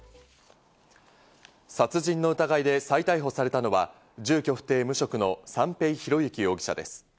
殺人の疑いで再逮捕されたのは住居不定・無職の三瓶博幸容疑者です。